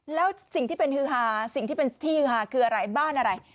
แล้วสิ่งที่เป็นที่ฮือฮาคืออะไรบ้านอะไร